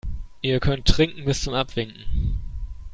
Ihr könnt trinken bis zum Abwinken.